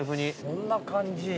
そんな感じ。